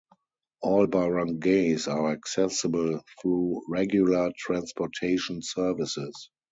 All barangays are accessible through regular transportation services.